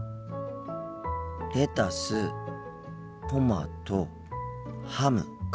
レタストマトハムか。